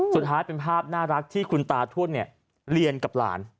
สุดท้ายเป็นภาพน่ารักที่คุณตาทวดเรียนกับหลาน